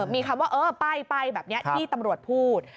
มีคำว่าเออไปแบบนี้ที่ตำรวจพูด